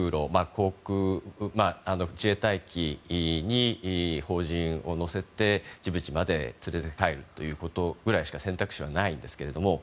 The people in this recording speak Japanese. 航空自衛隊機に邦人を乗せてジブチまで連れて帰るということくらいしか選択肢はないんですけれども。